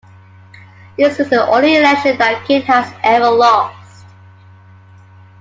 This is the only election that Kaine has ever lost.